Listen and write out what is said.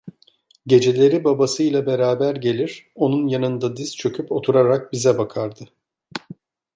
Geceleri babasıyla beraber gelir, onun yanında diz çöküp oturarak bize bakardı…